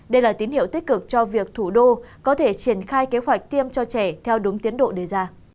đây là tín hiệu tích cực cho việc thủ đô có thể triển khai kế hoạch tiêm cho trẻ theo đúng tiến độ đề ra